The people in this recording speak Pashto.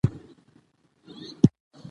د اوږد عمر تر څنګ، با وقاره ژوند، ارام زړه،